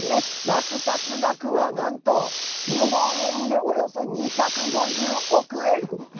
落札額はなんと日本円でおよそ２５０億円。